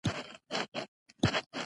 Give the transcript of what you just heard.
د بیان خپلواکي